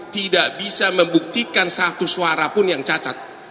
tidak bisa membuktikan satu suara pun yang cacat